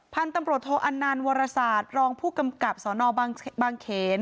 พันธุ์ตำรวจโทอันนันต์วรศาสตร์รองผู้กำกับสนบางเขน